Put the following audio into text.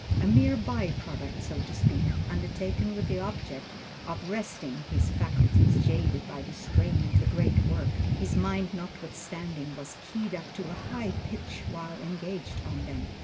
A mere by product so to speak, undertaken with the object of resting his faculties jaded by the strain of the greater work, his mind notwithstanding was keyed up to a high pitch, while engaged on them.